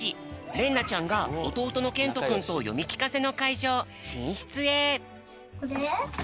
れんなちゃんがおとうとのけんとくんとよみきかせのかいじょうしんしつへ。